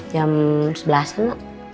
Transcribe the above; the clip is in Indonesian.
jam sebelas emang